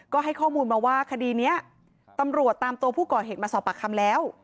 ก็ให้ข้อมูลมาว่าคดีนี้ตำรวจตามตัวผู้ก่อเหตุมาสอบปากคำแล้ว